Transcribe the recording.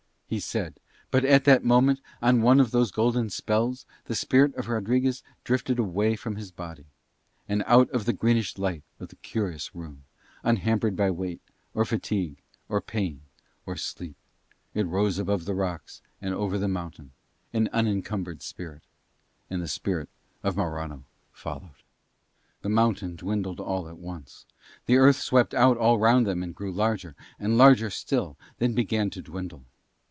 he said, but at that moment on one of those golden spells the spirit of Rodriguez drifted away from his body, and out of the greenish light of the curious room; unhampered by weight, or fatigue, or pain, or sleep; and it rose above the rocks and over the mountain, an unencumbered spirit: and the spirit of Morano followed. The mountain dwindled at once; the Earth swept out all round them and grew larger, and larger still, and then began to dwindle.